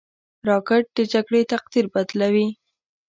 راکټ د جګړې تقدیر بدلوي